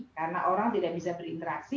karena orang tidak bisa berinteraksi